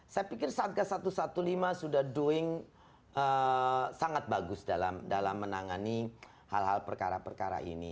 saya pikir satgas satu ratus lima belas sudah doing sangat bagus dalam menangani hal hal perkara perkara ini